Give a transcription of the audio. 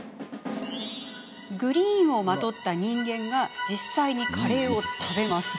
グリーンをまとった人間が実際にカレーを食べるんです。